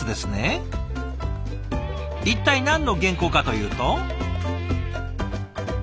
一体何の原稿かというと。